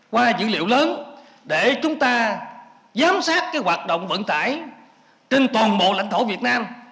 qua dữ liệu lớn để chúng ta giám sát hoạt động vận tải trên toàn bộ lãnh thổ việt nam